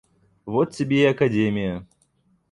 Вот тебе и академия!